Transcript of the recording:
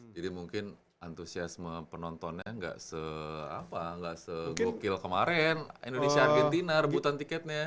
jadi mungkin antusiasme penontonnya gak se apa gak se gokil kemarin indonesia argentina rebutan tiketnya